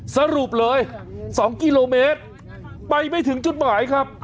สรุปเลย๒กิโลเมตรไปไม่ถึงจุดหมายครับ